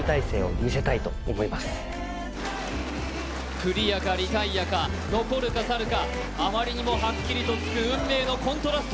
クリアかリタイアか、残るか去るか、あまりにもはっきりとつく運命のコントラスト。